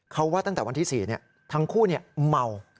เขาว่าตั้งแต่วันที่๔ทั้งคู่เมา